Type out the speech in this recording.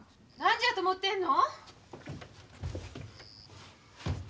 何時やと思うてんの？